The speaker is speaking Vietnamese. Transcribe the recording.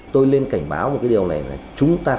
tôi lên cảnh báo một cái điều này là